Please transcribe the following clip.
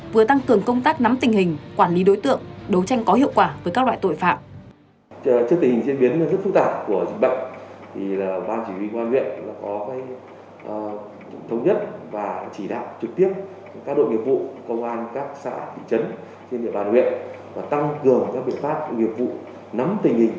vừa tăng cường công tác nắm tình hình quản lý đối tượng đấu tranh có hiệu quả với các loại tội phạm